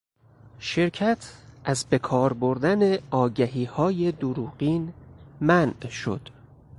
شرکت از به کار بردن آگهیهای دروغین منع شد.